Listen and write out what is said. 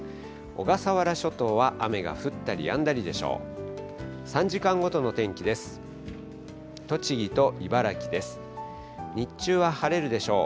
小笠原諸島は雨が降ったりやんだりでしょう。